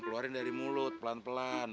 keluarin dari mulut pelan pelan